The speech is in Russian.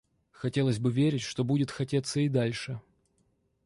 Хотелось бы верить, что будет хотеться и дальше.